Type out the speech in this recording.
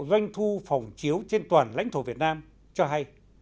doanh thu phòng chiếu trên toàn lãnh thổ việt nam cho hay